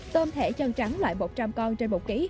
tôm thẻ chân trắng loại một trăm linh con trên một kg